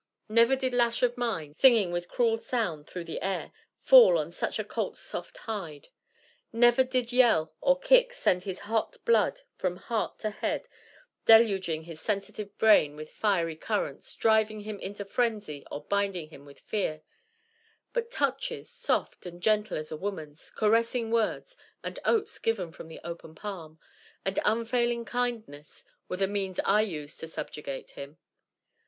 Never did lash of mine, singing with cruel sound through the air, fall on such a colt's soft hide. Never did yell or kick send his hot blood from heart to head deluging his sensitive brain with fiery currents, driving him into frenzy or blinding him with fear; but touches, soft and gentle as a woman's, caressing words, and oats given from the open palm, and unfailing kindness, were the means I used to 'subjugate' him.